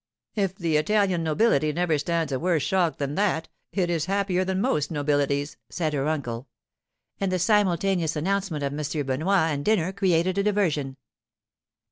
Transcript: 'If the Italian nobility never stands a worse shock than that, it is happier than most nobilities,' said her uncle. And the simultaneous announcement of M. Benoit and dinner created a diversion.